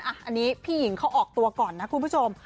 อันนี้พี่หญิงเขาออกตัวก่อนนะคุณผู้ชม